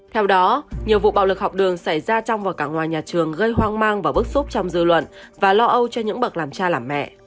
theo đó nhiều vụ bạo lực học đường xảy ra trong và cả ngoài nhà trường gây hoang mang và bức xúc trong dư luận và lo âu cho những bậc làm cha làm mẹ